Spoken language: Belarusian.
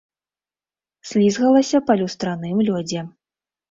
Слізгалася па люстраным лёдзе.